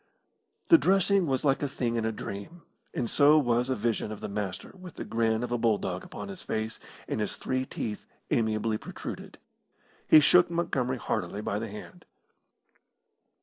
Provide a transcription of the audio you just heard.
The dressing was like a thing in a dream, and so was a vision of the Master with the grin of a bulldog upon his face, and his three teeth amiably protruded. He shook Montgomery heartily by the hand.